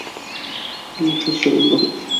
এই ট্রাকটাও কোম্পানির।